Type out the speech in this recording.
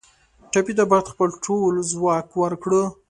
ټپي ته باید خپل ټول ځواک ورکړو.